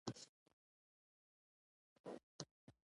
او له بده مرغه نورو هیوادونو کې د پښتو او فارسي کتابونو چاپي نخسې.